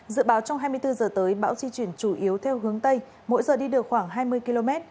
dự báo trong hai mươi bốn h tới bão di chuyển chủ yếu theo hướng tây mỗi giờ đi được khoảng hai mươi km